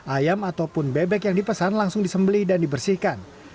ayam ataupun bebek yang dipesan langsung disembeli dan dibersihkan